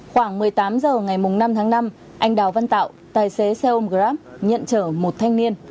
khoảng một mươi tám h ngày năm tháng năm anh đào văn tạo tài xế xe ôm grab nhận chở một thanh niên